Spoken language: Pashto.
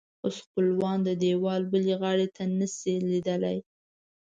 اوس خپلوان د دیوال بلې غاړې ته نه شي لیدلی.